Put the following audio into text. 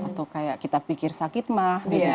atau kayak kita pikir sakit mah gitu